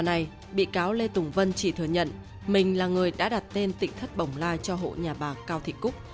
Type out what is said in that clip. các cáo lê tùng vân chỉ thừa nhận mình là người đã đặt tên tịnh thất bổng lai cho hộ nhà bà cao thị cúc